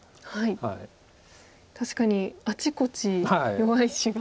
確かにあちこち弱い石が。